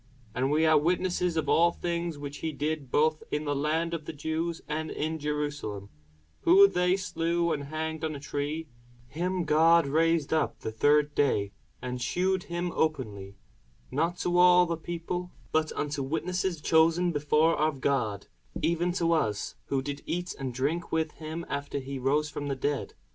And we are witnesses of all things which he did both in the land of the Jews, and in Jerusalem; whom they slew and hanged on a tree: him God raised up the third day, and shewed him openly; not to all the people, but unto witnesses chosen before of God, even to us, who did eat and drink with him after he rose from the dead.